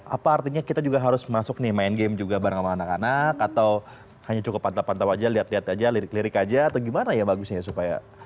apa artinya kita juga harus masuk nih main game juga bareng sama anak anak atau hanya cukup pantau pantau aja lihat lihat aja lirik lirik aja atau gimana ya bagusnya supaya